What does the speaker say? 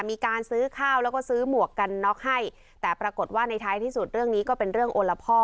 มีการซื้อข้าวแล้วก็ซื้อหมวกกันน็อกให้แต่ปรากฏว่าในท้ายที่สุดเรื่องนี้ก็เป็นเรื่องโอละพ่อ